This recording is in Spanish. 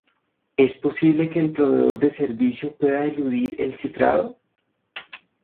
¿Es posible que el proveedor de servicio pueda eludir el cifrado?